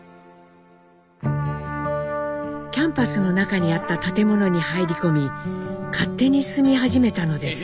キャンパスの中にあった建物に入り込み勝手に住み始めたのです。